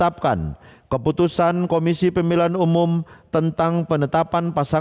mineraga kehidupan dan rumah tonal ybecca rayawan